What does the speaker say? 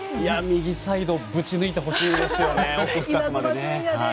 右サイドぶち抜いてほしいですよね。